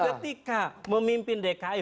dan ketika memimpin dki